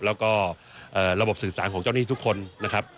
แล้วก็ระบบสื่อสารของเจ้าหนี้ทุกคนนะครับ